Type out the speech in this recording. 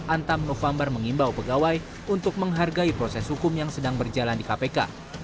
antam november mengimbau pegawai untuk menghargai proses hukum yang sedang berjalan di kpk